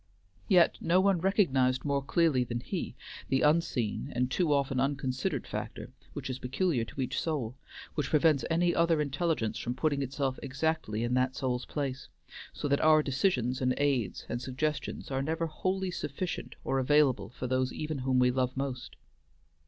Yet no one recognized more clearly than he the unseen, and too often unconsidered, factor which is peculiar to each soul, which prevents any other intelligence from putting itself exactly in that soul's place, so that our decisions and aids and suggestions are never wholly sufficient or available for those even whom we love most.